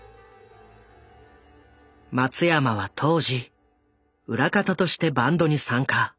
松山は当時裏方としてバンドに参加。